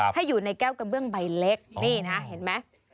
ให้อยู่ในแก้วกระเบื้องใบเล็กนี่นะเห็นไหม